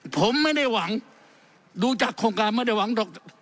ผมไม่ได้หวังดูจากโครงการไม่ได้หวังหรอก